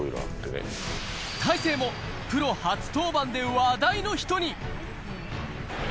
大勢もプロ初登板で話題の人に。